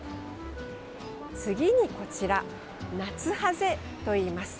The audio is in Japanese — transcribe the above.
次にこちら、ナツハゼといいます。